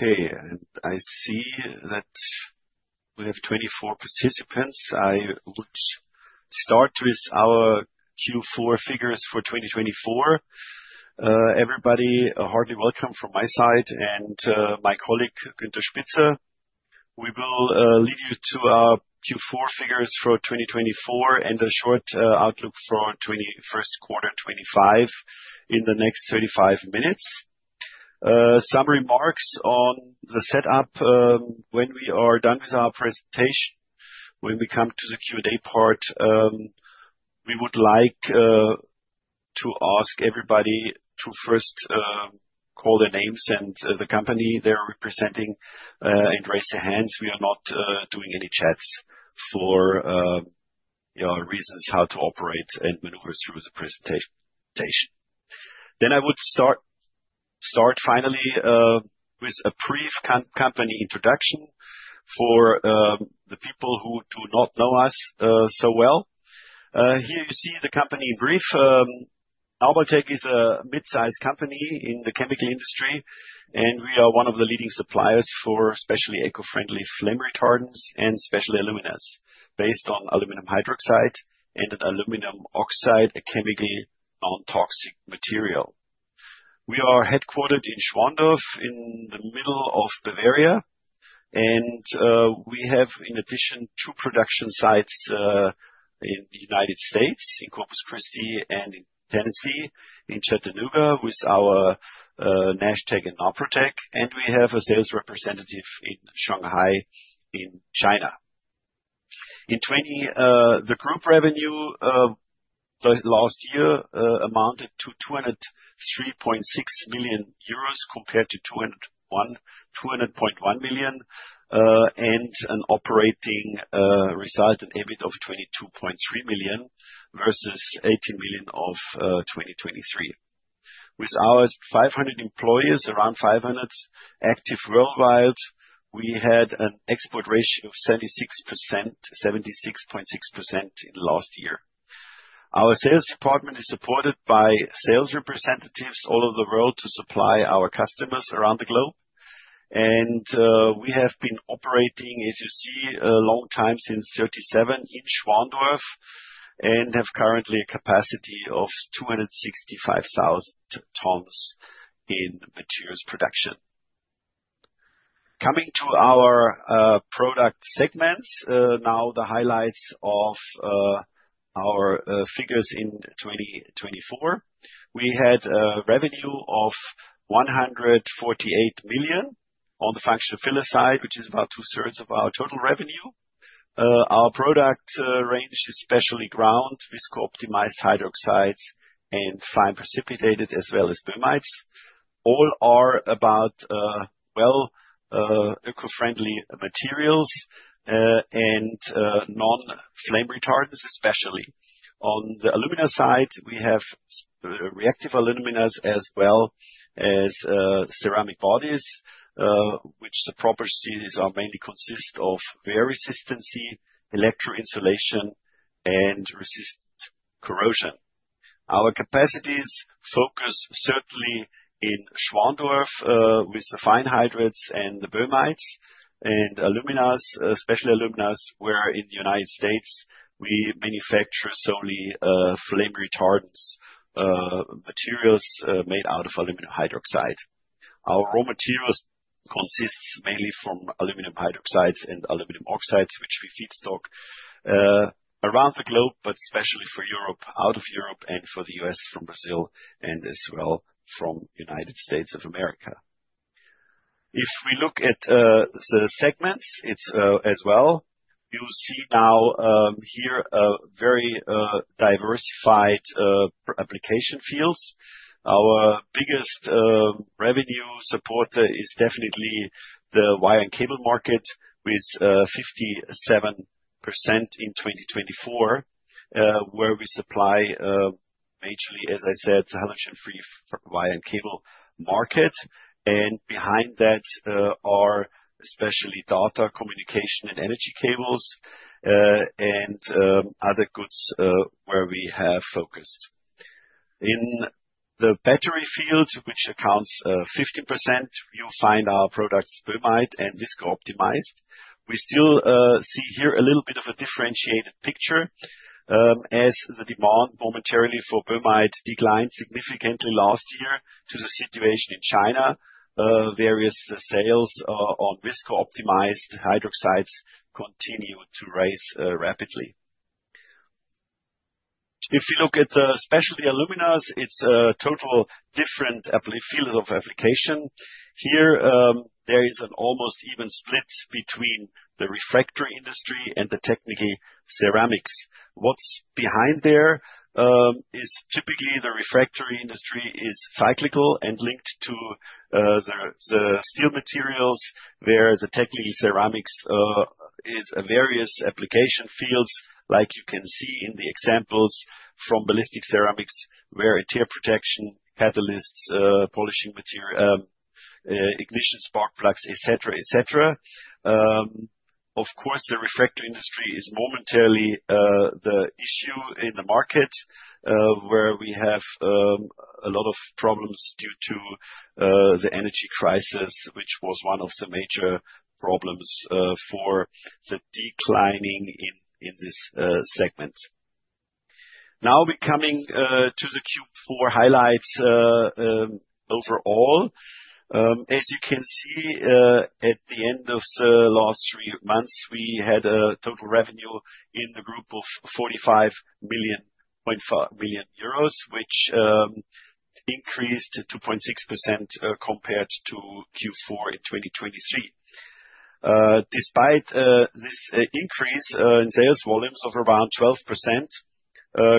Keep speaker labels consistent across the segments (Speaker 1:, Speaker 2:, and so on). Speaker 1: Okay, I see that we have 24 participants. I would start with our Q4 figures for 2024. Everybody, heartily welcome from my side and my colleague, Günther Spitzer. We will lead you to our Q4 figures for 2024 and a short outlook for first quarter 2025 in the next 35 minutes. Some remarks on the setup, when we are done with our presentation, when we come to the Q&A part, we would like to ask everybody to first call their names and the company they're representing, and raise their hands. We are not doing any chats for reasons how to operate and maneuver through the presentation. I would start finally, with a brief company introduction for the people who do not know us so well. Here you see the company in brief. Nabaltec is a midsize company in the chemical industry. We are one of the leading suppliers for especially eco-friendly flame retardants and Specialty Alumina, based on aluminum hydroxide and aluminum oxide, a chemically non-toxic material. We are headquartered in Schwandorf in the middle of Bavaria. We have, in addition, two production sites in the U.S., in Corpus Christi and in Tennessee in Chattanooga with our Nashtec and Naprotec. We have a sales representative in Shanghai, in China. The group revenue last year amounted to 203.6 million euros compared to 200.1 million. An operating result and EBIT of 22.3 million versus 18 million of 2023. With our 500 employees, around 500 active worldwide, we had an export ratio of 76%, 76.6% in last year. Our sales department is supported by sales representatives all over the world to supply our customers around the globe. We have been operating, as you see, a long time since 1937 in Schwandorf and have currently a capacity of 265,000 tons in the materials production. Coming to our product segments, the highlights of our figures in 2024. We had a revenue of 148 million on the Functional Fillers side, which is about two-thirds of our total revenue. Our product range is specially ground, viscosity optimized hydroxides and fine precipitated as well as boehmites. All are about eco-friendly materials and non-flame retardants, especially. On the Specialty Alumina side, we have reactive aluminas as well as ceramic bodies, which the properties mainly consist of wear resistance, electrical insulation, and resist corrosion. Our capacities focus certainly in Schwandorf, with the fine hydroxides and the boehmites and aluminas, especially aluminas, where in the U.S., we manufacture solely flame retardant materials made out of aluminum hydroxide. Our raw materials consist mainly of aluminum hydroxides and aluminum oxides, which we feedstock around the globe, but especially for Europe, out of Europe and for the U.S., from Brazil, and as well from U.S. If we look at the segments, you see very diversified application fields. Our biggest revenue supporter is definitely the wire and cable market with 57% in 2024, where we supply majorly, as I said, halogen-free wire and cable market. Behind that are especially data communication and energy cables, and other goods, where we have focused. In the battery field, which accounts 15%, you'll find our products boehmite and viscosity optimized. We still see here a little bit of a differentiated picture, as the demand momentarily for boehmite declined significantly last year to the situation in China. Various sales of viscosity optimized hydroxides continued to rise rapidly. If you look at the Specialty Alumina, it's a total different fields of application. Here, there is an almost even split between the refractory industry and the technical ceramics. What's behind there is typically the refractory industry is cyclical and linked to the steel materials, where the technical ceramics is various application fields like you can see in the examples from ballistic ceramics, wear and tear protection, catalysts, polishing material, ignition spark plugs, et cetera. Of course, the refractory industry is momentarily the issue in the market, where we have a lot of problems due to the energy crisis, which was one of the major problems for the declining in this segment. We're coming to the Q4 highlights overall. As you can see, at the end of the last three months, we had a total revenue in the group of 45.5 million, which increased 2.6% compared to Q4 in 2023. Despite this increase in sales volumes of around 12%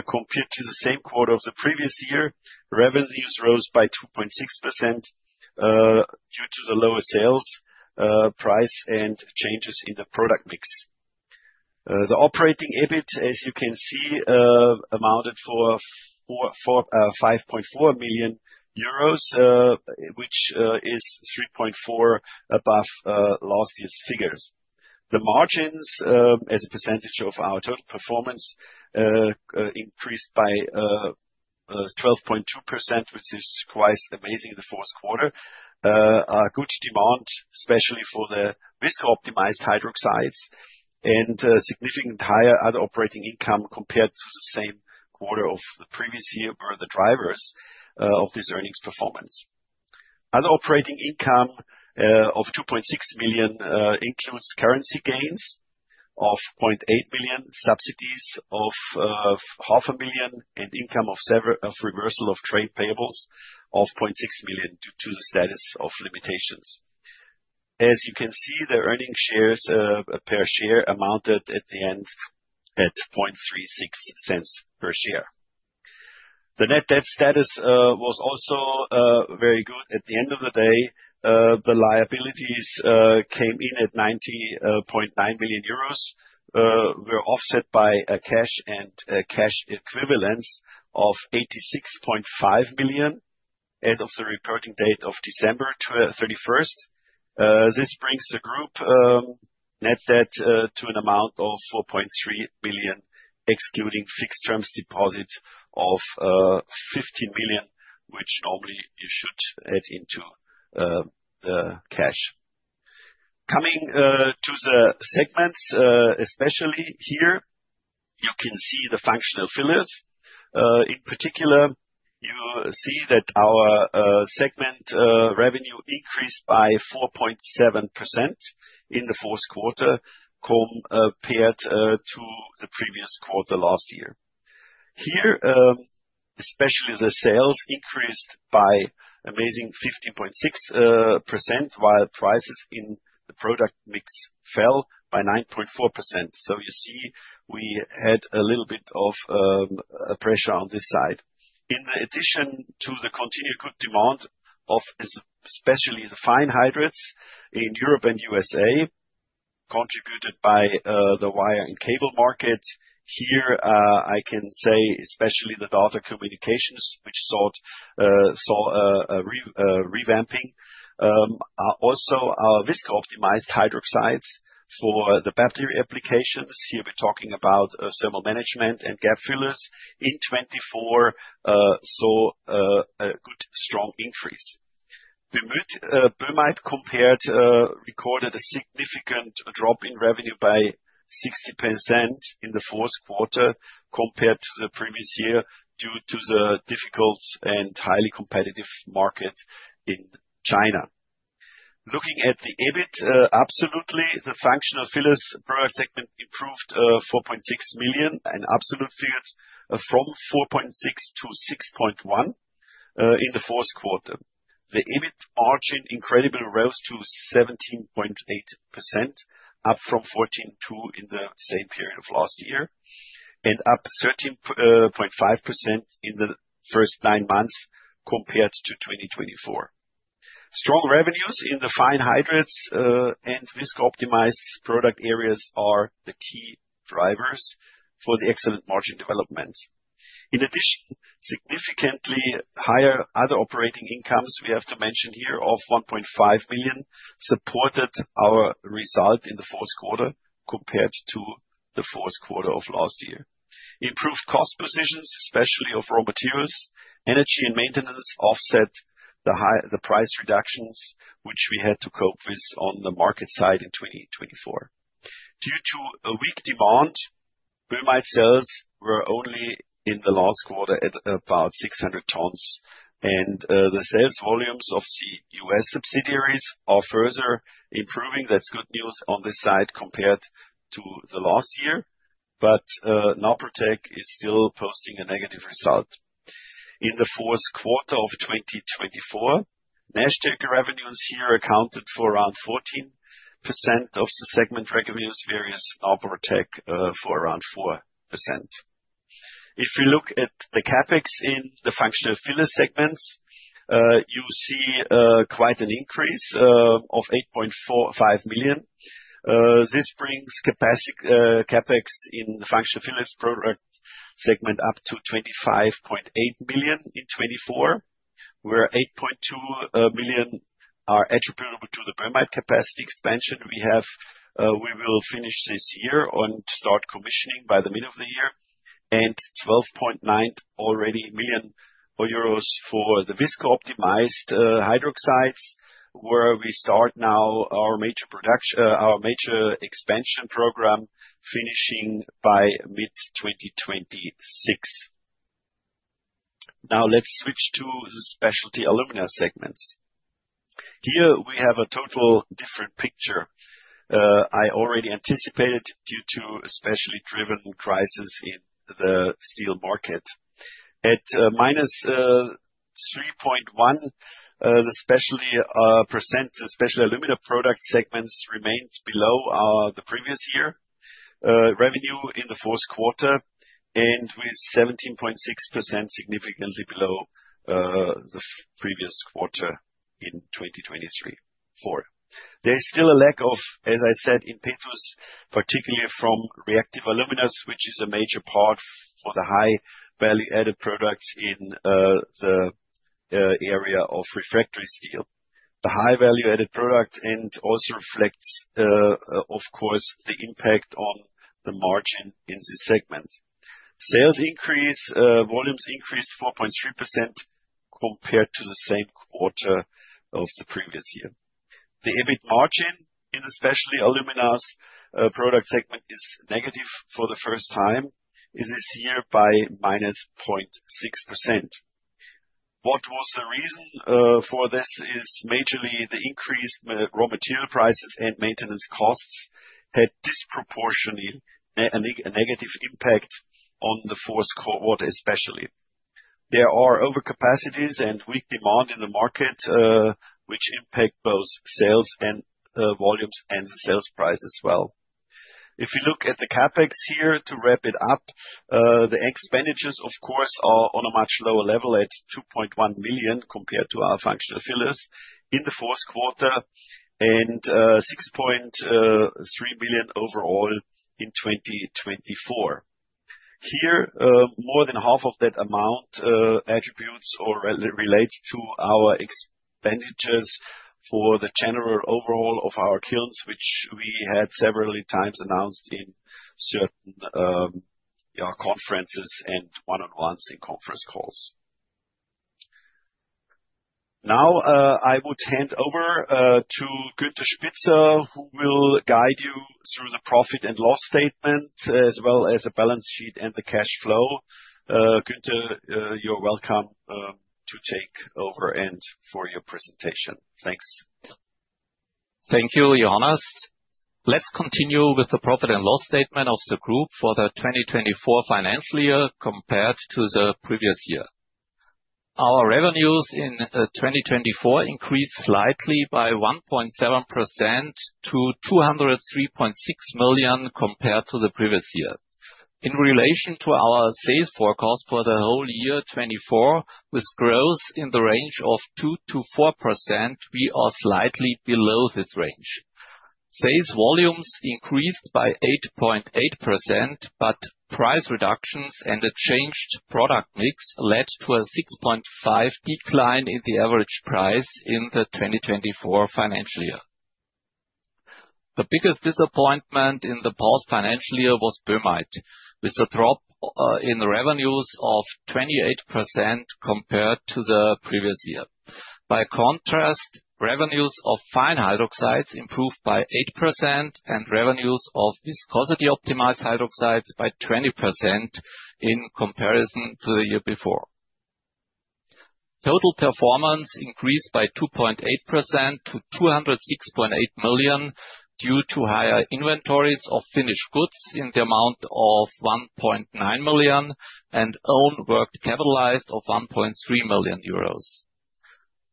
Speaker 1: compared to the same quarter of the previous year, revenues rose by 2.6% due to the lower sales price and changes in the product mix. The operating EBIT, as you can see, amounted for 5.4 million euros, which is 3.4 above last year's figures. The margins as a percentage of our total performance increased by 12.2%, which is quite amazing in the fourth quarter. A good demand, especially for the viscosity optimized hydroxides and significantly higher other operating income compared to the same quarter of the previous year were the drivers of this earnings performance. Other operating income of 2.6 million includes currency gains of 0.8 million, subsidies of half a million, and income of reversal of trade payables of 0.6 million due to the statute of limitations. As you can see, the earning shares, per share amounted at the end at 0.36 per share. The net debt status was also very good. At the end of the day, the liabilities came in at 90.9 million euros, were offset by a cash and cash equivalents of 86.5 million as of the reporting date of December 31st. This brings the group net debt to an amount of 4.3 million, excluding fixed terms deposit of 15 million, which normally you should add into the cash. Coming to the segments, especially here, you can see the Functional Fillers. In particular, you see that our segment revenue increased by 4.7% in the fourth quarter compared to the previous quarter last year. Here, especially the sales increased by amazing 50.6%, while prices in the product mix fell by 9.4%. You see we had a little bit of pressure on this side. In addition to the continued good demand of especially the fine hydroxides in Europe and U.S.A. contributed by the wire and cable market. Here, I can say especially the data communications, which saw a revamping. Also our viscosity optimized hydroxides for the battery applications. Here we're talking about thermal management and gap fillers in 2024, saw a good strong increase. Boehmite compared recorded a significant drop in revenue by 60% in the fourth quarter compared to the previous year due to the difficult and highly competitive market in China. Looking at the EBIT, absolutely the Functional Fillers product segment improved 4.6 million in absolute figures from 4.6 million-6.1 million in the fourth quarter. The EBIT margin incredibly rose to 17.8%, up from 14.2% in the same period of last year, and up 13.5% in the first nine months compared to 2024. Strong revenues in the fine hydroxides, and visco-optimized product areas are the key drivers for the excellent margin development. In addition, significantly higher other operating incomes, we have to mention here of 1.5 million, supported our result in the fourth quarter compared to the fourth quarter of last year. Improved cost positions, especially of raw materials, energy and maintenance offset the price reductions, which we had to cope with on the market side in 2024. Due to a weak demand, boehmite sales were only in the last quarter at about 600 tons and the sales volumes of the U.S. subsidiaries are further improving. That's good news on this side compared to the last year, Nabaltec is still posting a negative result. In the fourth quarter of 2024, Nashtec revenues here accounted for around 14% of the segment revenues, whereas Naprotec for around 4%. If you look at the CapEx in the Functional Fillers segments, you see quite an increase of 8.5 million. This brings CapEx in the Functional Fillers product segment up to 25.8 million in 2024, where 8.2 million are attributable to the boehmite capacity expansion we will finish this year and start commissioning by the middle of the year 12.9 million euros already for the visco-optimized hydroxides, where we start now our major expansion program, finishing by mid-2026. Let's switch to the Specialty Alumina segments. I already anticipated due to a specialty-driven crisis in the steel market. At -3.1%, the Specialty Alumina product segments remained below the previous year revenue in the fourth quarter, and with 17.6% significantly below the previous quarter in 2023. There is still a lack of, as I said in the past, particularly from reactive aluminas, which is a major part for the high value-added products in the area of refractory steel. The high value-added product and also reflects, of course, the impact on the margin in this segment. Sales volumes increased 4.3% compared to the same quarter of the previous year. The EBIT margin in the Specialty Alumina product segment is negative for the first time, this year by -0.6%. What was the reason for this is majorly the increased raw material prices and maintenance costs had disproportionately a negative impact on the fourth quarter, especially. There are overcapacities and weak demand in the market, which impact both sales and volumes and the sales price as well. If you look at the CapEx here to wrap it up, the expenditures, of course, are on a much lower level at 2.1 million compared to our Functional Fillers in the fourth quarter and 6.3 million overall in 2024. Here, more than half of that amount attributes or relates to our expenditures for the general overall of our kilns, which we had several times announced in certain conferences and one-on-ones in conference calls. I would hand over to Günther Spitzer, who will guide you through the profit and loss statement, as well as the balance sheet and the cash flow. Günther, you're welcome to take over and for your presentation. Thanks.
Speaker 2: Thank you, Johannes. Let's continue with the profit and loss statement of the group for the 2024 financial year compared to the previous year. Our revenues in 2024 increased slightly by 1.7% to 203.6 million compared to the previous year. In relation to our sales forecast for the whole year 2024, with growth in the range of 2%-4%, we are slightly below this range. Sales volumes increased by 8.8%, but price reductions and a changed product mix led to a 6.5% decline in the average price in the 2024 financial year. The biggest disappointment in the past financial year was boehmite, with a drop in revenues of 28% compared to the previous year. By contrast, revenues of fine hydroxides improved by 8% and revenues of viscosity optimized hydroxides by 20% in comparison to the year before. Total performance increased by 2.8% to 206.8 million due to higher inventories of finished goods in the amount of 1.9 million and own work capitalized of 1.3 million euros.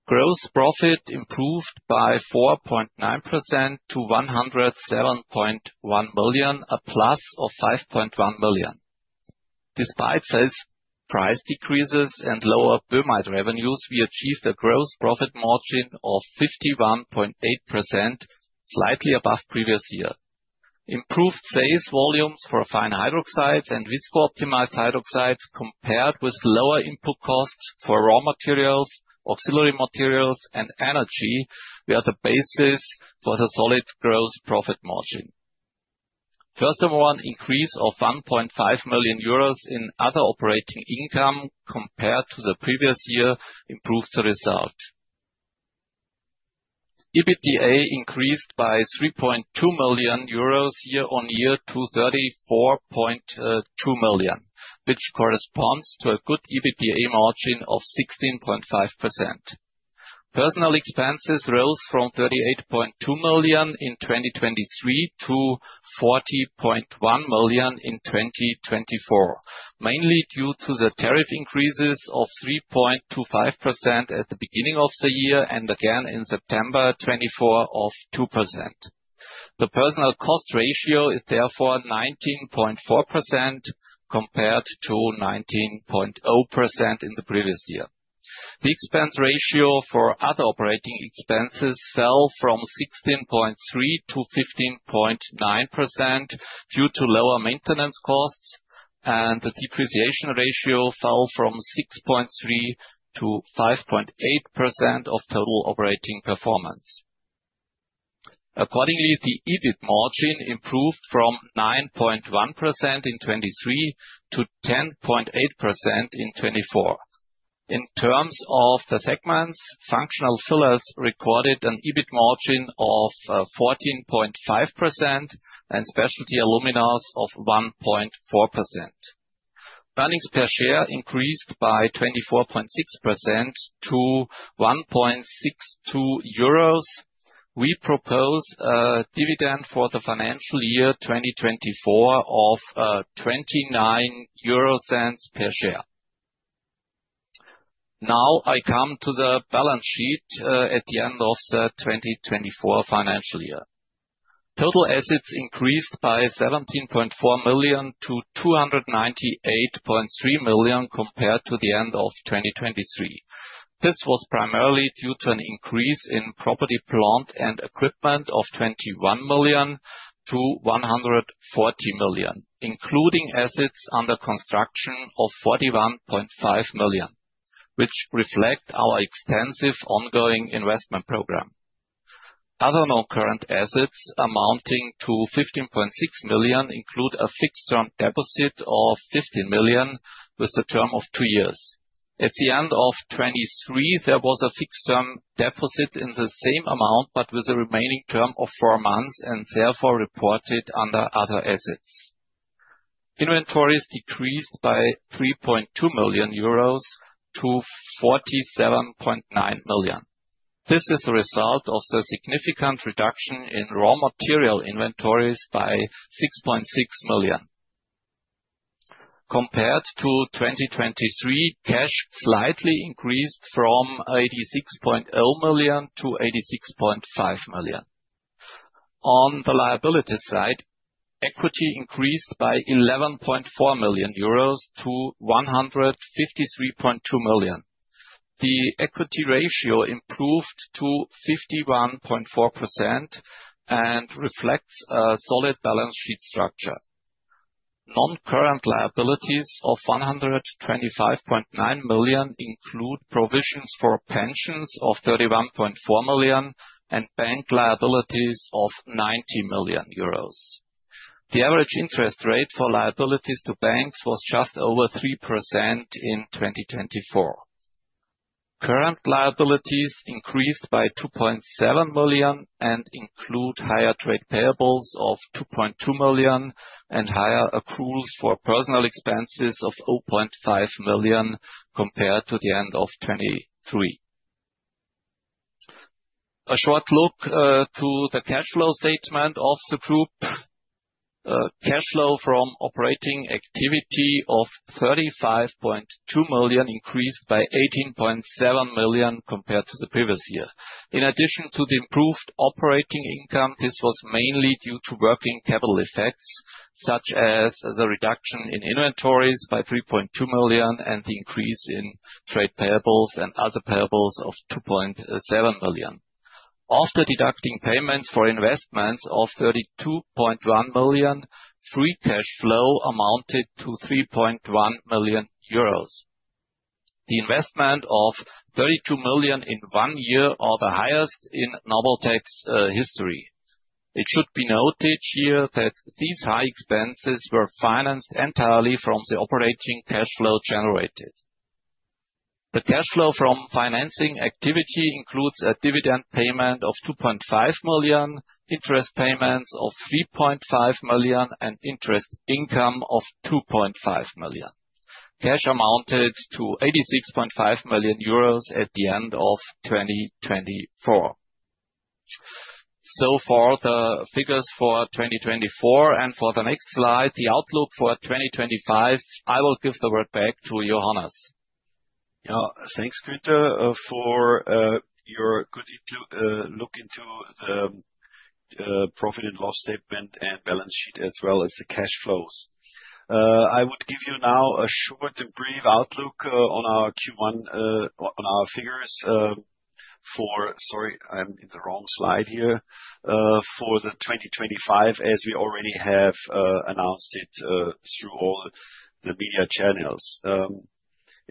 Speaker 2: Gross profit improved by 4.9% to 107.1 million, a plus of 5.1 million. Despite sales price decreases and lower boehmite revenues, we achieved a gross profit margin of 51.8%, slightly above previous year. Improved sales volumes for fine hydroxides and visco-optimized hydroxides compared with lower input costs for raw materials, auxiliary materials, and energy were the basis for the solid gross profit margin. First of all, an increase of 1.5 million euros in other operating income compared to the previous year improved the result. EBITDA increased by 3.2 million euros year-on-year to 34.2 million, which corresponds to a good EBITDA margin of 16.5%. Personnel expenses rose from 38.2 million in 2023 to 40.1 million in 2024, mainly due to the tariff increases of 3.25% at the beginning of the year and again in September 2024 of 2%. The personnel cost ratio is therefore 19.4% compared to 19.0% in the previous year. The expense ratio for other operating expenses fell from 16.3%-15.9% due to lower maintenance costs, and the depreciation ratio fell from 6.3%-5.8% of total operating performance. Accordingly, the EBIT margin improved from 9.1% in 2023 to 10.8% in 2024. In terms of the segments, Functional Fillers recorded an EBIT margin of 14.5% and Specialty Alumina of 1.4%. Earnings per share increased by 24.6% to 1.62 euros. We propose a dividend for the financial year 2024 of 0.29 per share. Now I come to the balance sheet at the end of the 2024 financial year. Total assets increased by 17.4 million to 298.3 million compared to the end of 2023. This was primarily due to an increase in property, plant, and equipment of 21 million to 140 million, including assets under construction of 41.5 million, which reflect our extensive ongoing investment program. Other non-current assets amounting to 15.6 million include a fixed-term deposit of 15 million with a term of two years. At the end of 2023, there was a fixed-term deposit in the same amount, but with a remaining term of four months and therefore reported under other assets. Inventories decreased by 3.2 million-47.9 million euros. This is a result of the significant reduction in raw material inventories by 6.6 million. Compared to 2023, cash slightly increased from 86.0 million-86.5 million. On the liability side, equity increased by 11.4 million-153.2 million euros. The equity ratio improved to 51.4% and reflects a solid balance sheet structure. Non-current liabilities of 125.9 million include provisions for pensions of 31.4 million and bank liabilities of 90 million euros. The average interest rate for liabilities to banks was just over 3% in 2024. Current liabilities increased by 2.7 million and include higher trade payables of 2.2 million and higher accruals for personal expenses of 0.5 million compared to the end of 2023. A short look to the cash flow statement of the group. Cash flow from operating activity of 35.2 million increased by 18.7 million compared to the previous year. In addition to the improved operating income, this was mainly due to working capital effects, such as the reduction in inventories by 3.2 million and the increase in trade payables and other payables of 2.7 million. After deducting payments for investments of 32.1 million, free cash flow amounted to 3.1 million euros. The investment of 32 million in one year are the highest in Nabaltec's history. It should be noted here that these high expenses were financed entirely from the operating cash flow generated. The cash flow from financing activity includes a dividend payment of 2.5 million, interest payments of 3.5 million, and interest income of 2.5 million. Cash amounted to 86.5 million euros at the end of 2024. For the figures for 2024 and for the next slide, the outlook for 2025, I will give the word back to Johannes.
Speaker 1: Thanks, Günther, for your good look into the profit and loss statement and balance sheet as well as the cash flows. I would give you now a short and brief outlook on our figures for Sorry, I'm in the wrong slide here. For the 2025, as we already have announced it through all the media channels.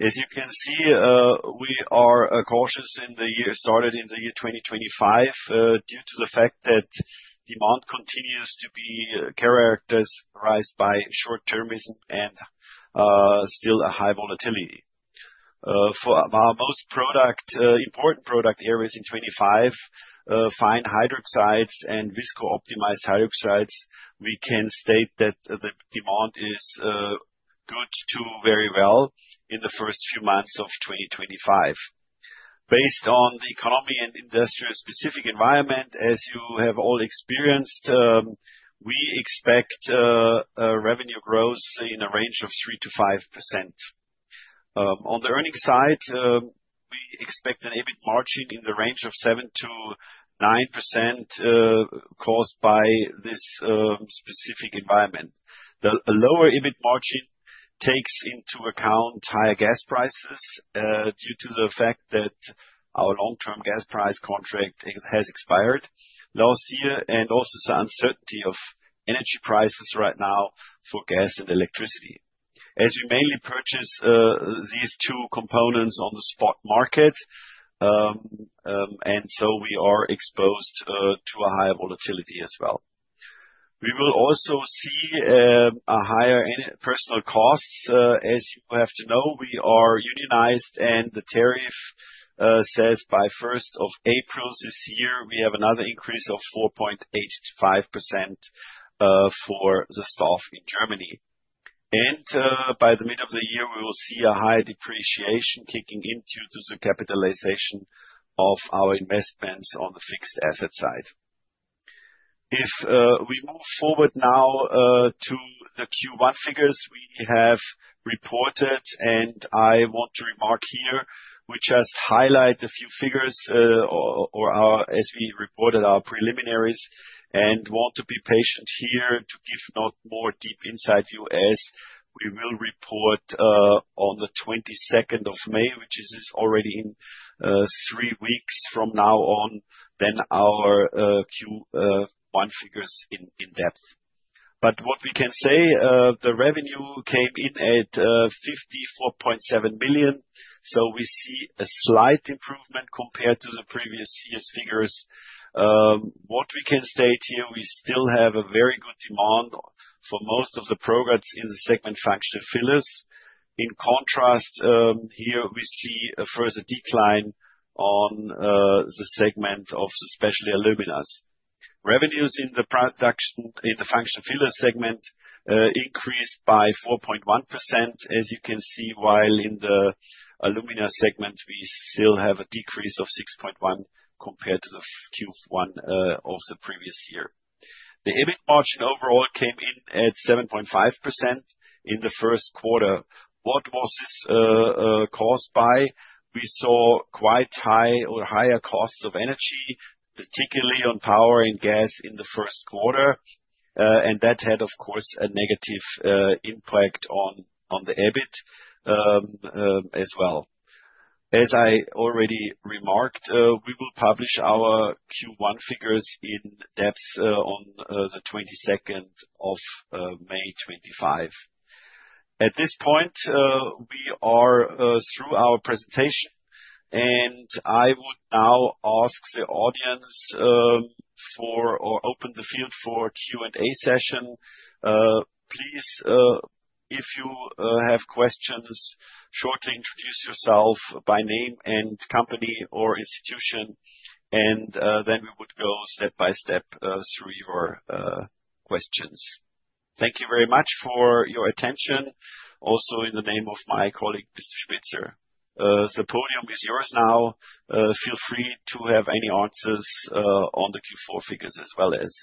Speaker 1: As you can see, we are cautious in the year started in the year 2025 due to the fact that demand continues to be characterized by short-termism and still a high volatility. For our most important product areas in 2025, fine hydroxides and viscosity optimized hydroxides, we can state that the demand is good to very well in the first few months of 2025. Based on the economy and industrial specific environment, as you have all experienced, we expect a revenue growth in a range of 3%-5%. On the earnings side, we expect an EBIT margin in the range of 7%-9% caused by this specific environment. The lower EBIT margin takes into account higher gas prices due to the fact that our long-term gas price contract has expired last year, and also the uncertainty of energy prices right now for gas and electricity. We mainly purchase these two components on the spot market, so we are exposed to a higher volatility as well. We will also see a higher personnel cost. You have to know, we are unionized and the tariff says by 1st of April this year, we have another increase of 4.85% for the staff in Germany. By the middle of the year, we will see a high depreciation kicking in due to the capitalization of our investments on the fixed asset side. If we move forward now to the Q1 figures we have reported, I want to remark here, we just highlight a few figures as we reported our preliminaries, and want to be patient here to give not more deep insight yet. We will report on May 22nd, which is already in three weeks from now on, our Q1 figures in depth. What we can say, the revenue came in at 54.7 million. We see a slight improvement compared to the previous year's figures. What we can state here, we still have a very good demand for most of the products in the segment Functional Fillers. In contrast, here we see a further decline on the segment of Specialty Alumina. Revenues in the production in the Functional Fillers segment increased by 4.1%, as you can see, while in the Specialty Alumina segment, we still have a decrease of 6.1% compared to the Q1 of the previous year. The EBIT margin overall came in at 7.5% in the first quarter. What was this caused by? We saw quite high or higher costs of energy, particularly on power and gas in the first quarter. That had, of course, a negative impact on the EBIT as well. I already remarked, we will publish our Q1 figures in depth on May 22nd, 2025. At this point, we are through our presentation, I would now ask the audience for or open the field for Q&A session. Please, if you have questions, shortly introduce yourself by name and company or institution, then we would go step by step through your questions. Thank you very much for your attention, also in the name of my colleague, Günther Spitzer. The podium is yours now. Feel free to have any answers on the Q4 figures as well as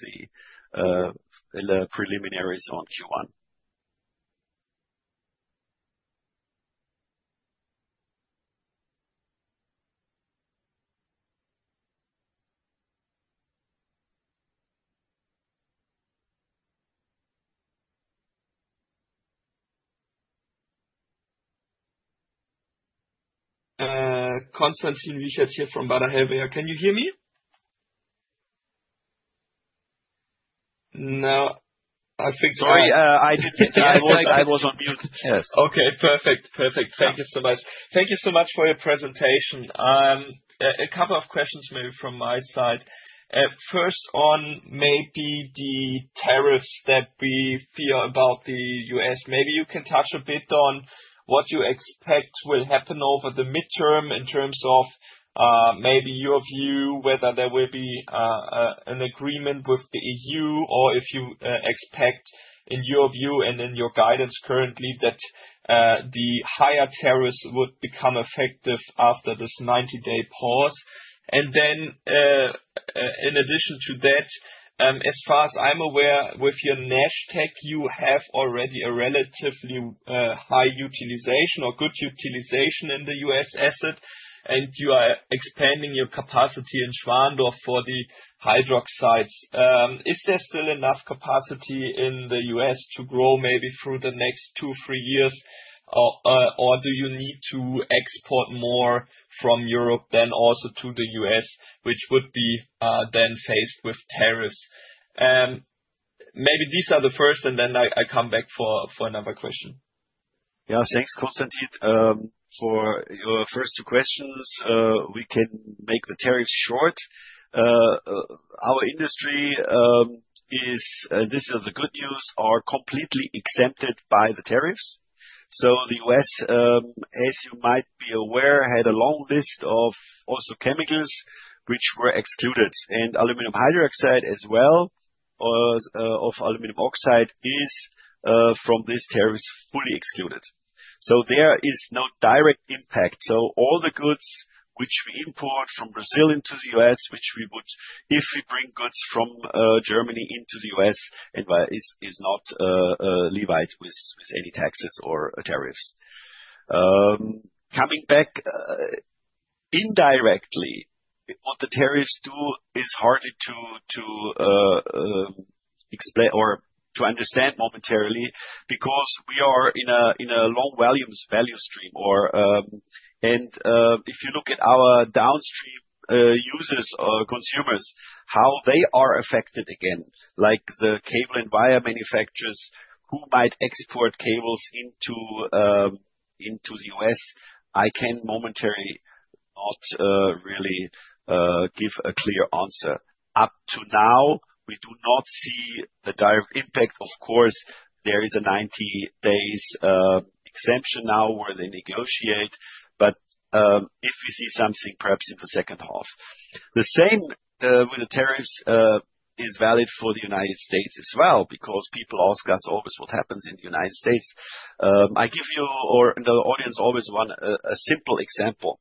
Speaker 1: the preliminaries on Q1.
Speaker 3: Konstantin Richard here from. Can you hear me?
Speaker 1: No, I think so.
Speaker 3: Sorry. I did think I was on mute. Yes. Okay, perfect. Thank you so much. Thank you so much for your presentation. A couple of questions maybe from my side. First on maybe the tariffs that we fear about the U.S. Maybe you can touch a bit on what you expect will happen over the midterm in terms of maybe your view, whether there will be an agreement with the EU or if you expect, in your view and in your guidance currently, that the higher tariffs would become effective after this 90-day pause. In addition to that, as far as I'm aware, with your Nashtec, you have already a relatively high utilization or good utilization in the U.S. asset, and you are expanding your capacity in Schwandorf for the hydroxides. Is there still enough capacity in the U.S. to grow maybe through the next two, three years? Do you need to export more from Europe then also to the U.S., which would be then faced with tariffs? Maybe these are the first, and then I come back for another question.
Speaker 1: Thanks, Konstantin. For your first two questions, we can make the tariffs short. Our industry is, this is the good news, are completely exempted by the tariffs. The U.S., as you might be aware, had a long list of also chemicals which were excluded, and aluminum hydroxide as well as of aluminum oxide is from this tariff fully excluded. There is no direct impact. All the goods which we import from Brazil into the U.S., which we would, if we bring goods from Germany into the U.S., is not levied with any taxes or tariffs. Coming back, indirectly, what the tariffs do is hardly to explain or to understand momentarily, because we are in a long value stream. If you look at our downstream users or consumers, how they are affected again, like the cable and wire manufacturers who might export cables into the U.S., I can momentarily not really give a clear answer. Up to now, we do not see the direct impact. Of course, there is a 90 days exemption now where they negotiate. If we see something, perhaps in the second half. The same with the tariffs is valid for the United States as well, because people ask us always what happens in the United States. I give you or the audience always one simple example.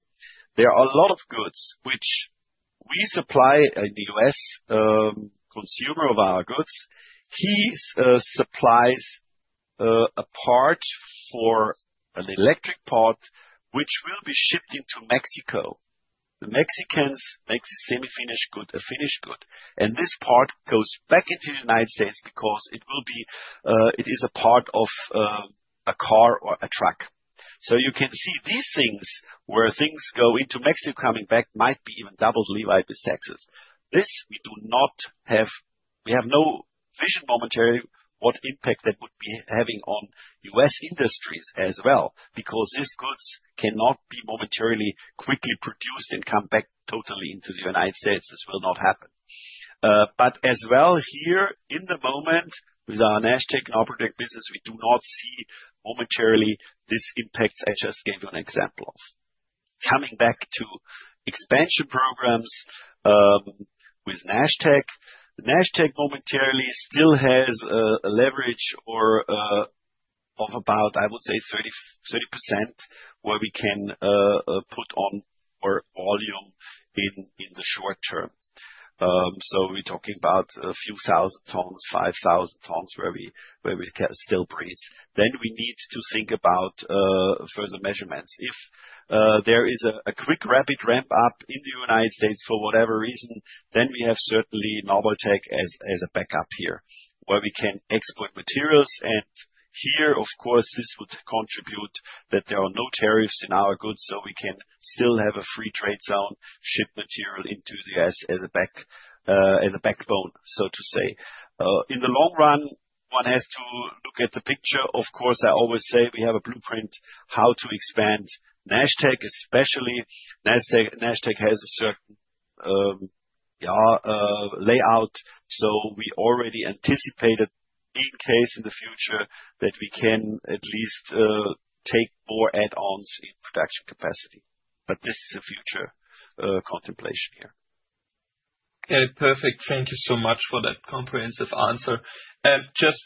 Speaker 1: There are a lot of goods which we supply a U.S. consumer of our goods. He supplies a part for an electric part, which will be shipped into Mexico. The Mexicans make the semi-finished good a finished good, this part goes back into the United States because it is a part of a car or a truck. You can see these things where things go into Mexico, coming back might be even doubly ripe with taxes. This we do not have. We have no vision momentarily what impact that would be having on U.S. industries as well, because these goods cannot be momentarily quickly produced and come back totally into the United States. This will not happen. As well here in the moment with our Nashtec, our project business, we do not see momentarily these impacts I just gave you an example of. Coming back to expansion programs with Nashtec. Nashtec momentarily still has a leverage of about, I would say, 30%, where we can put on more volume in the short term. We're talking about a few thousand tons, 5,000 tons where we can still breathe. We need to think about further measurements. If there is a quick, rapid ramp-up in the United States for whatever reason, we have certainly Nabaltec as a backup here, where we can export materials. Here, of course, this would contribute that there are no tariffs in our goods, we can still have a free trade zone, ship material into the U.S. as a backbone, so to say. In the long run, one has to look at the picture. Of course, I always say we have a blueprint how to expand Nashtec especially. Nashtec has a certain layout. We already anticipated being case in the future that we can at least take more add-ons in production capacity. This is a future contemplation here.
Speaker 3: Okay, perfect. Thank you so much for that comprehensive answer. Just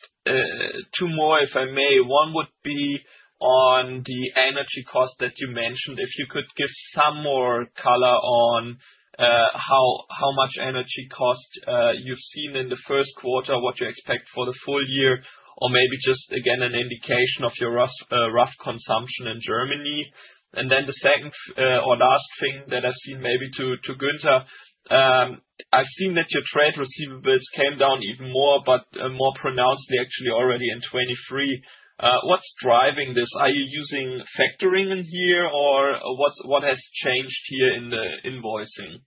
Speaker 3: two more, if I may. One would be on the energy cost that you mentioned. If you could give some more color on how much energy cost you've seen in the first quarter, what you expect for the full year, or maybe just again, an indication of your rough consumption in Germany. The second or last thing that I've seen maybe to Günther. I've seen that your trade receivables came down even more, but more pronouncedly actually already in 2023. What's driving this? Are you using factoring in here or what has changed here in the invoicing?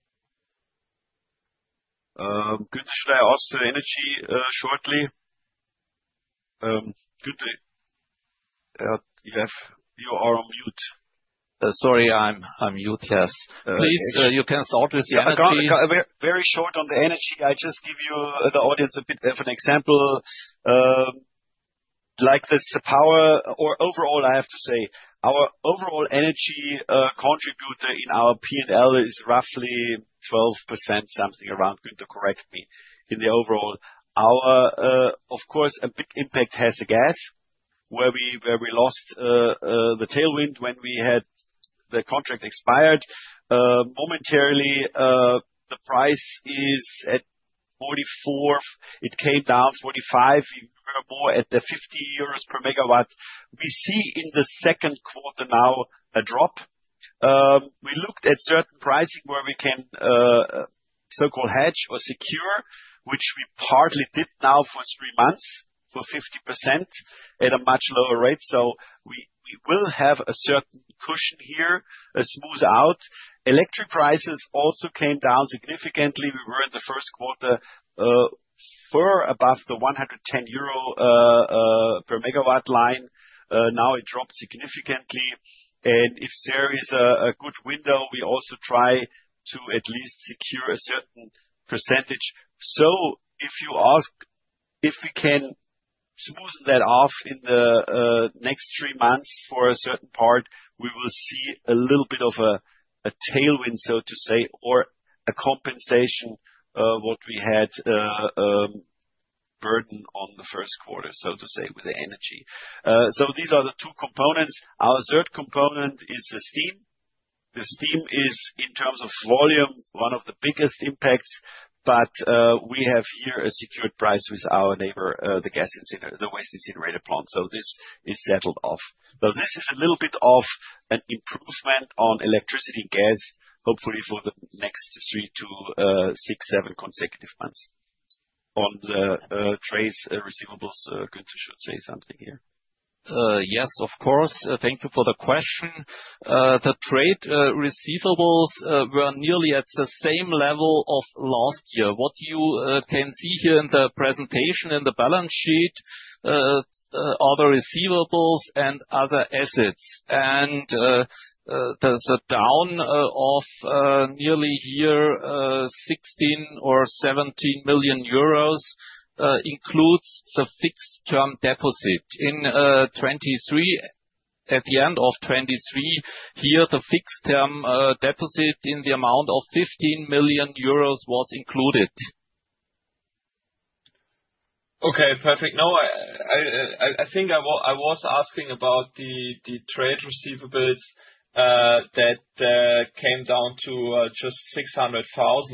Speaker 1: Günther, should I ask the energy shortly? Günther, you are on mute.
Speaker 2: Sorry, I'm mute. Yes.
Speaker 1: Please.
Speaker 2: You can start with the energy.
Speaker 1: Very short on the energy. I just give you, the audience, a bit of an example. Like this power or overall, I have to say, our overall energy contributor in our P&L is roughly 12%, something around, Günther, correct me, in the overall. Of course, a big impact has the gas, where we lost the tailwind when we had the contract expired. Momentarily, the price is at 44. It came down 45. We were more at the 50 euros per MW. We see in the second quarter now a drop. We looked at certain pricing where we can so-called hedge or secure, which we partly did now for three months for 50% at a much lower rate. We will have a certain cushion here, a smooth out. Electric prices also came down significantly. We were in the first quarter far above the 110 euro per MW line. Now it dropped significantly. If there is a good window, we also try to at least secure a certain percentage. If you ask if we can smoothen that off in the next three months for a certain part, we will see a little bit of a tailwind, so to say, or a compensation, what we had burden on the first quarter, so to say, with the energy. These are the two components. Our third component is the steam. The steam is, in terms of volume, one of the biggest impacts, but we have here a secured price with our neighbor, the waste incinerator plant. This is settled off. This is a little bit of an improvement on electricity and gas, hopefully for the next three to six, seven consecutive months.
Speaker 3: On the trade receivables, Günther should say something here.
Speaker 2: Yes, of course. Thank you for the question. The trade receivables were nearly at the same level of last year. What you can see here in the presentation, in the balance sheet, are the receivables and other assets. There's a down of nearly here, 16 or 17 million euros includes the fixed-term deposit. In 2023, at the end of 2023, here, the fixed-term deposit in the amount of 15 million euros was included.
Speaker 3: I think I was asking about the trade receivables that came down to just 600,000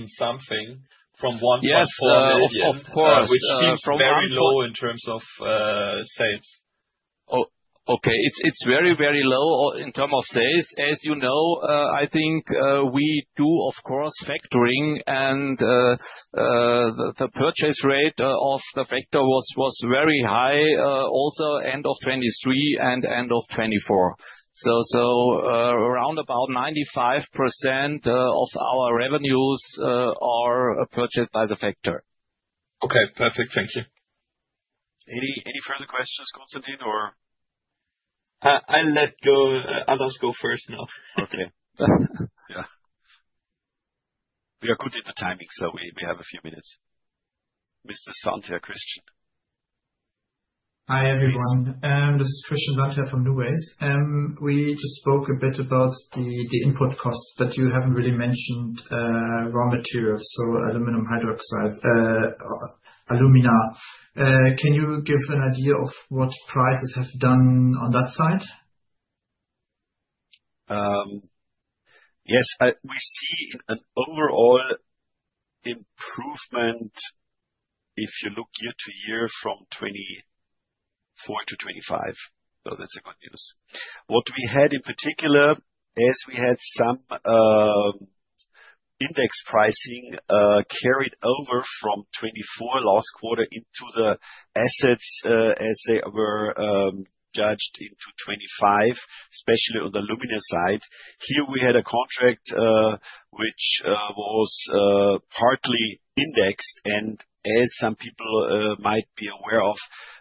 Speaker 3: something from 1.4 million.
Speaker 2: Yes, of course.
Speaker 3: Which seems very low in terms of sales.
Speaker 2: Okay. It's very low in terms of sales. As you know, I think we do, of course, factoring and the purchase rate of the factor was very high, also end of 2023 and end of 2024. Around about 95% of our revenues are purchased by the factor.
Speaker 3: Okay, perfect. Thank you.
Speaker 2: Any further questions, Konstantin or?
Speaker 3: I'll let others go first now.
Speaker 2: Okay.
Speaker 3: Yeah.
Speaker 1: We are good at the timing, we have a few minutes. Mr. Sandherr, Christian.
Speaker 4: Hi, everyone. This is Christian Sandherr from NuWays. We just spoke a bit about the input costs, you haven't really mentioned raw materials, so aluminum hydroxide, alumina. Can you give an idea of what prices have done on that side?
Speaker 2: Yes. We see an overall improvement if you look year-to-year from 2024-2025. That's the good news. What we had in particular is we had some index pricing carried over from 2024 last quarter into the assets, as they were judged into 2025, especially on the alumina side. Here we had a contract, which was partly indexed some people might be aware of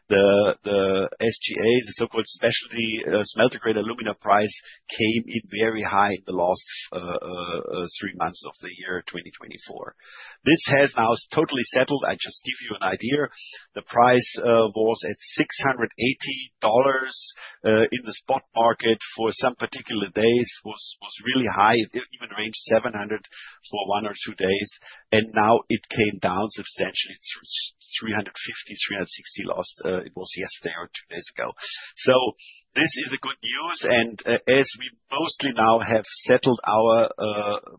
Speaker 2: the SGA, the so-called specialty smelter grade alumina price came in very high in the last 3 months of the year 2024. This has now totally settled. I just give you an idea. The price was at $680 in the spot market for some particular days was really high. It even ranged $700 for one or two days, and now it came down substantially to $350, $360 last, it was yesterday or two days ago.
Speaker 1: This is a good news, as we mostly now have settled our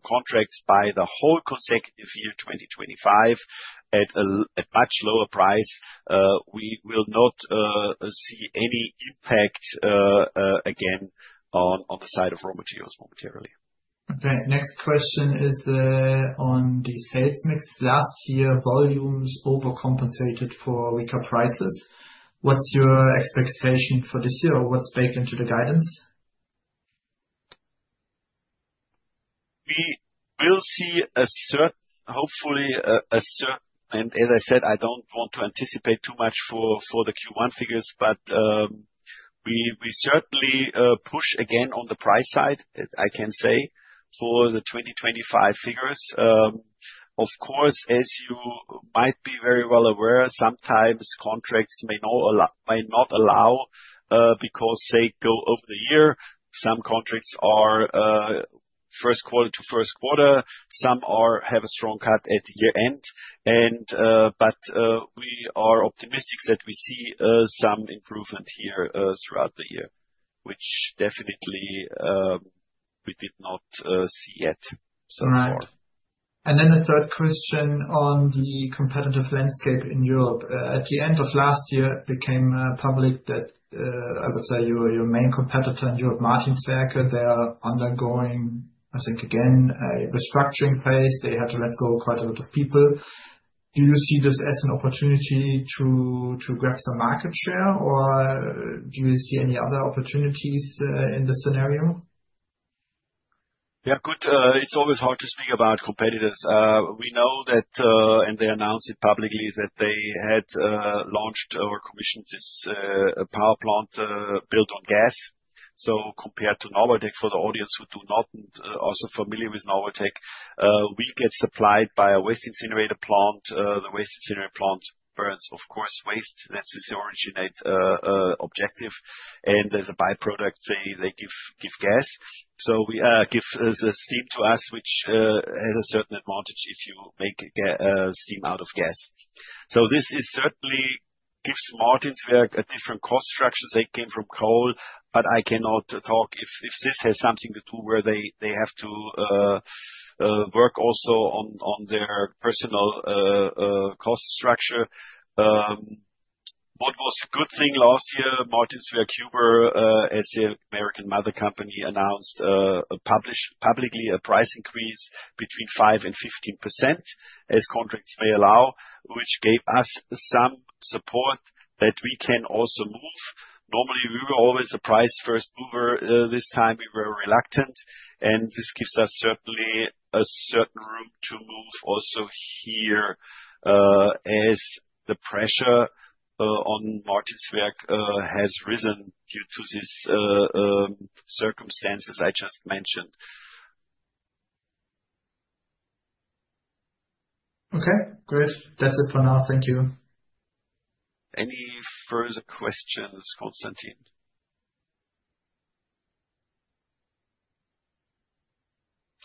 Speaker 1: contracts by the whole consecutive year, 2025, at much lower price, we will not see any impact again on the side of raw materials momentarily.
Speaker 4: Okay. Next question is on the sales mix. Last year, volumes overcompensated for weaker prices. What's your expectation for this year? What's baked into the guidance?
Speaker 2: We will see, hopefully, a certain, as I said, I don't want to anticipate too much for the Q1 figures, we certainly push again on the price side, I can say, for the 2025 figures. Of course, as you might be very well aware, sometimes contracts might not allow, because they go over the year. Some contracts are first quarter to first quarter. Some have a strong cut at year-end. We are optimistic that we see some improvement here, throughout the year, which definitely, we did not see yet so far.
Speaker 4: Right. The third question on the competitive landscape in Europe. At the end of last year, it became public that, I would say, your main competitor in Europe, Martinswerk, they are undergoing, I think again, a restructuring phase. They had to let go quite a lot of people. Do you see this as an opportunity to grab some market share, or do you see any other opportunities in this scenario?
Speaker 1: Good. It's always hard to speak about competitors. We know that, and they announced it publicly, that they had launched or commissioned this power plant, built on gas. Compared to Nabaltec, for the audience who do not, aren't so familiar with Nabaltec, we get supplied by a waste incinerator plant. The waste incinerator plant burns, of course, waste. That is the original objective, and as a byproduct, they give gas. Give the steam to us, which has a certain advantage if you make steam out of gas. This is certainly gives Martinswerk a different cost structure. They came from coal, but I cannot talk if this has something to do where they have to work also on their personal cost structure. What was a good thing last year, Martinswerk Huber, as the American mother company, announced publicly a price increase between 5% and 15% as contracts may allow, which gave us some support that we can also move. Normally, we were always the price first mover. This time we were reluctant, and this gives us certainly a certain room to move also here, as the pressure on Martinswerk has risen due to these circumstances I just mentioned.
Speaker 4: Okay, great. That's it for now. Thank you.
Speaker 1: Any further questions, Konstantin?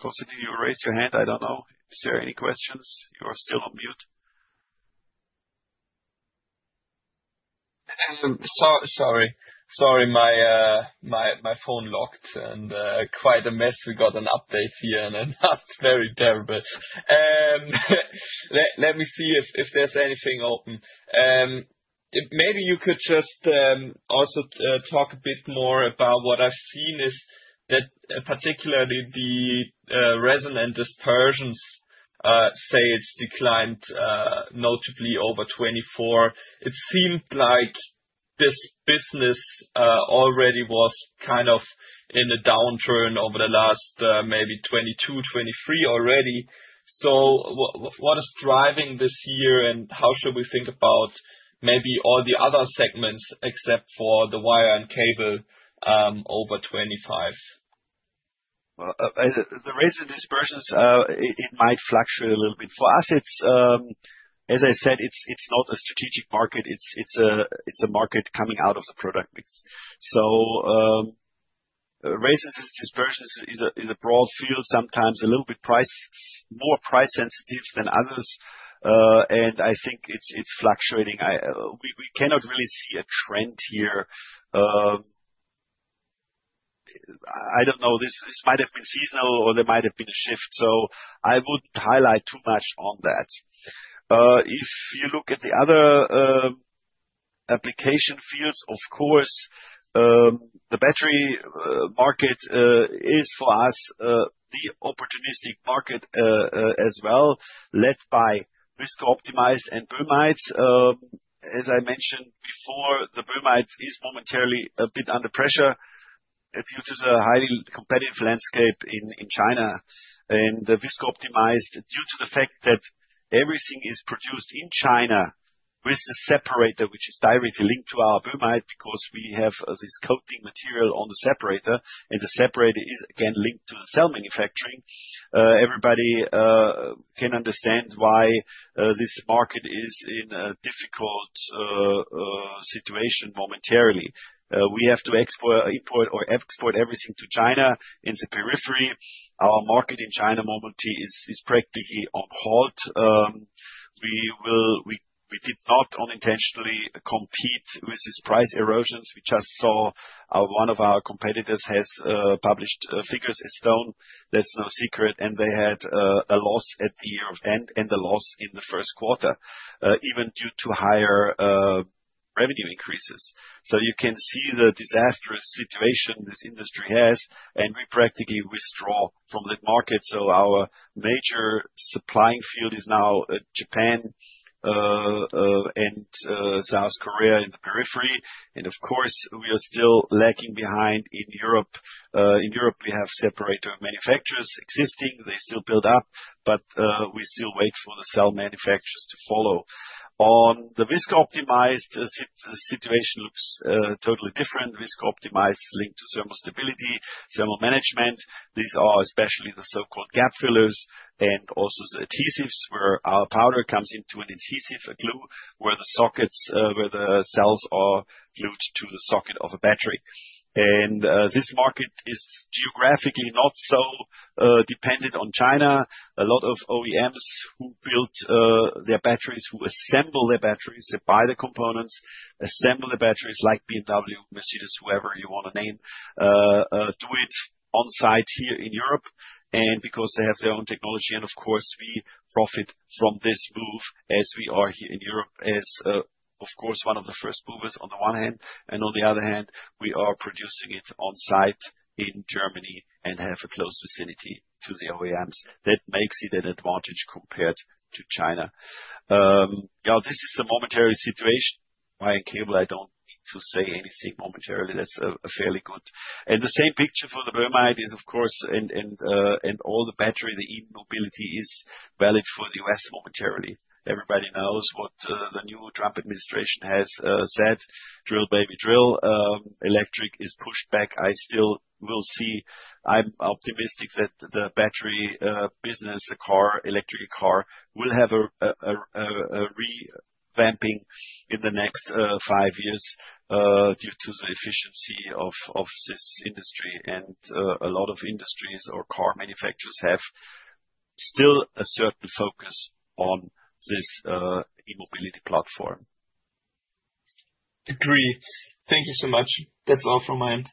Speaker 1: Konstantin, you raised your hand, I don't know. Is there any questions? You are still on mute.
Speaker 3: Sorry. My phone locked and quite a mess. We got an update here and now it's very terrible. Let me see if there's anything open. Maybe you could just also talk a bit more about what I've seen is that particularly the resin and dispersions sales declined notably over 2024. It seemed like this business already was kind of in a downturn over the last maybe 2022, 2023 already. What is driving this year and how should we think about maybe all the other segments except for the wire and cable over 2025?
Speaker 1: The resin dispersions, it might fluctuate a little bit. For us, as I said, it's not a strategic market. It's a market coming out of the product mix. Resin dispersions is a broad field, sometimes a little bit more price sensitive than others. I think it's fluctuating. We cannot really see a trend here. I don't know. This might have been seasonal or there might have been a shift, so I wouldn't highlight too much on that. If you look at the other application fields, of course, the battery market is for us the opportunistic market as well, led by visco optimized and boehmites. As I mentioned before, the boehmite is momentarily a bit under pressure due to the highly competitive landscape in China and the Visco optimized due to the fact that everything is produced in China with a separator which is directly linked to our boehmite because we have this coating material on the separator, and the separator is again linked to the cell manufacturing. Everybody can understand why this market is in a difficult situation momentarily. We have to import or export everything to China. In the periphery, our market in China momentarily is practically on halt. We did not unintentionally compete with these price erosions. We just saw one of our competitors has published figures at Estone. That's no secret, and they had a loss at the year-end and a loss in the first quarter, even due to higher revenue increases. You can see the disastrous situation this industry has, we practically withdraw from that market. Our major supplying field is now Japan and South Korea in the periphery. Of course, we are still lagging behind in Europe. In Europe, we have separator manufacturers existing. They still build up, but we still wait for the cell manufacturers to follow. On the Visco optimized, the situation looks totally different. Visco optimized is linked to thermal stability, thermal management. These are especially the so-called gap fillers and also adhesives where our powder comes into an adhesive, a glue, where the cells are glued to the socket of a battery. This market is geographically not so dependent on China. A lot of OEMs who build their batteries, who assemble their batteries, they buy the components, assemble the batteries like BMW, Mercedes, whoever you want to name, do it on site here in Europe. Because they have their own technology and of course we profit from this move as we are here in Europe as, of course, one of the first movers on the one hand, and on the other hand, we are producing it on site in Germany and have a close vicinity to the OEMs. That makes it an advantage compared to China. This is a momentary situation. Wire and cable, I don't need to say anything momentarily. That's fairly good. The same picture for the boehmite is, of course, and all the battery, the e-mobility is valid for the U.S. momentarily. Everybody knows what the new Trump administration has said, "Drill, baby, drill." Electric is pushed back. I still will see. I'm optimistic that the battery business car, electric car will have a revamping in the next five years due to the efficiency of this industry. A lot of industries or car manufacturers have still a certain focus on this e-mobility platform.
Speaker 3: Agreed. Thank you so much. That's all from my end.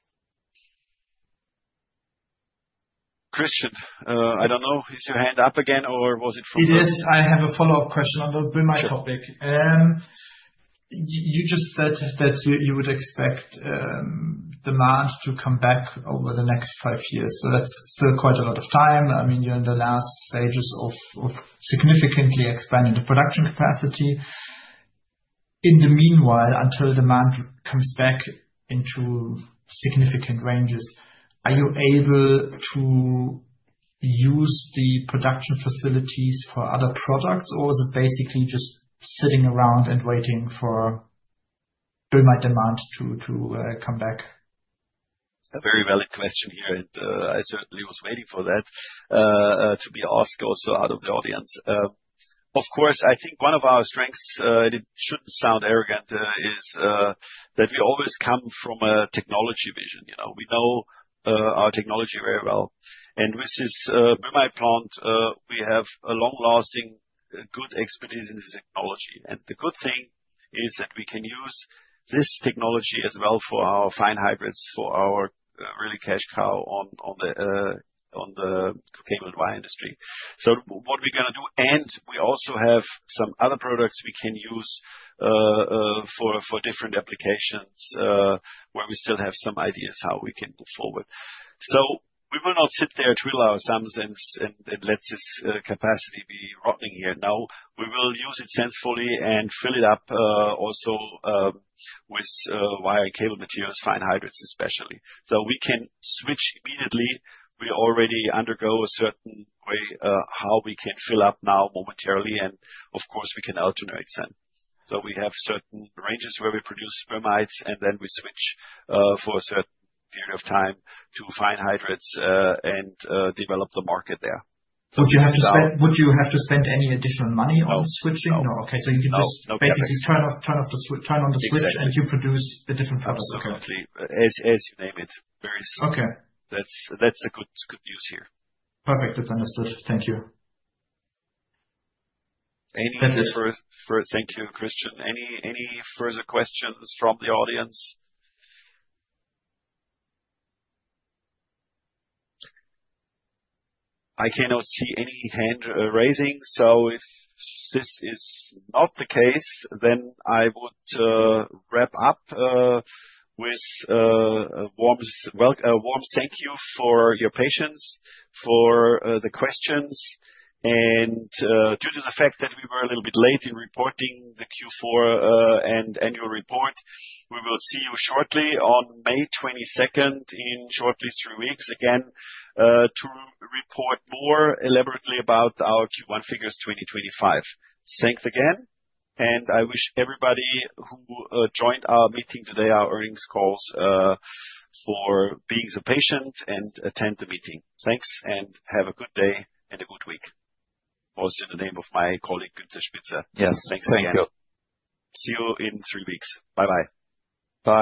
Speaker 1: Christian, I don't know, is your hand up again or was it follow up?
Speaker 4: It is. I have a follow-up question on the boehmite topic.
Speaker 1: Sure.
Speaker 4: You just said that you would expect demand to come back over the next five years. That's still quite a lot of time. You're in the last stages of significantly expanding the production capacity. In the meanwhile, until demand comes back into significant ranges, are you able to use the production facilities for other products, or is it basically just sitting around and waiting for boehmite demand to come back?
Speaker 1: A very valid question here. I certainly was waiting for that to be asked also out of the audience. Of course, I think one of our strengths, it shouldn't sound arrogant, is that we always come from a technology vision. We know our technology very well. With this boehmite plant, we have a long-lasting, good expertise in this technology. The good thing is that we can use this technology as well for our fine hydroxides, for our really cash cow on the cable and wire industry. What we're going to do, we also have some other products we can use for different applications, where we still have some ideas how we can move forward. We will not sit there, twiddle our thumbs, and let this capacity be rotting here. No, we will use it sensibly and fill it up also with wire and cable materials, fine hydroxides especially. We can switch immediately. We already undergo a certain way how we can fill up now momentarily. Of course, we can alternate then. We have certain ranges where we produce boehmites. We switch for a certain period of time to fine hydroxides, develop the market there.
Speaker 4: Would you have to spend any additional money on switching?
Speaker 1: No.
Speaker 4: No. Okay.
Speaker 1: No.
Speaker 4: You can just basically turn on the switch.
Speaker 1: Exactly
Speaker 4: You produce the different products. Okay.
Speaker 1: Absolutely. As you name it. Very soon.
Speaker 4: Okay.
Speaker 1: That's the good news here.
Speaker 4: Perfect. It's understood. Thank you.
Speaker 1: Thank you, Christian. Any further questions from the audience? I cannot see any hand-raising, so if this is not the case, then I would wrap up with a warm thank you for your patience, for the questions. Due to the fact that we were a little bit late in reporting the Q4 and annual report, we will see you shortly on May 22nd, in shortly three weeks, again, to report more elaborately about our Q1 figures 2025. Thanks again. I wish everybody who joined our meeting today, our earnings calls, for being so patient and attend the meeting. Thanks. Have a good day and a good week. Also in the name of my colleague, Günther Spitzer.
Speaker 5: Yes. Thank you.
Speaker 1: Thanks again. See you in three weeks. Bye-bye.
Speaker 5: Bye.